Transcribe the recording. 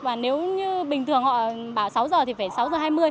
và nếu như bình thường họ bảo sáu giờ thì phải sáu giờ hai mươi